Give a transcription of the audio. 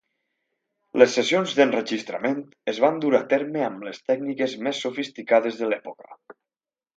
Les sessions d'enregistrament es van dur a terme amb les tècniques més sofisticades de l'època.